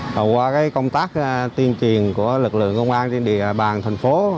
và qua công tác tuyên truyền của lực lượng công an trên địa bàn thành phố